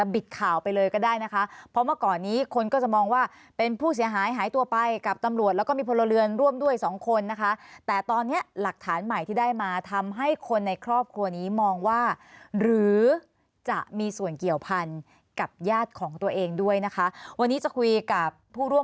ภาเดชัยดอสใหม่ที่ได้มาทำให้คนในครอบครัวนี้มองว่าหรือจะมีส่วนเกี่ยวพันธุ์กับญาติของตัวเองด้วยนะคะวันนี้จะคุยกับผู้ร่วม